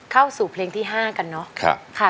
เข้าสู่เพลงที่๕กันเนาะ